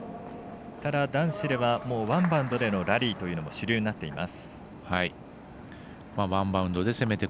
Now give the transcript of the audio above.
ただ男子ではワンバウンドでのラリーというのも主流になっています。